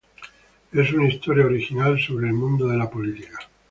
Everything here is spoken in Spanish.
Es una historia original sobre el mundo de la política.